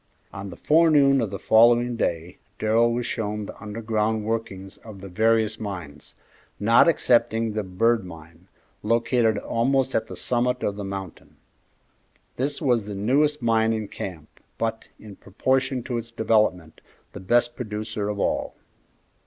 On the forenoon of the following day Darrell was shown the underground workings of the various mines, not excepting the Bird Mine, located almost at the summit of the mountain. This was the newest mine in camp, but, in proportion to its development, the best producer of all.